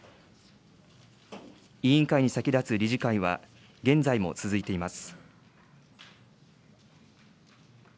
委員会に先立つ理事会は、現在も続いています。